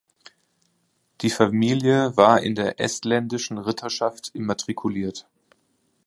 Die Familie war in der Estländischen Ritterschaft immatrikuliert.